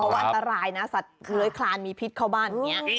เพราะว่าอันตรายนะสัตว์เล้ยคลานมีพิษเข้าบ้าน